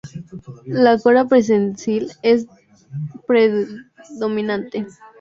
La cola prensil es predominantemente una adaptación del nuevo mundo, especialmente entre los mamíferos.